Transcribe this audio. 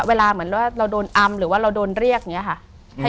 เวลาเหมือนว่าเราโดนอำหรือว่าเราโดนเรียกอย่างนี้ค่ะ